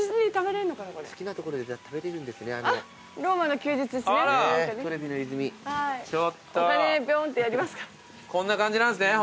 こんな感じなんですね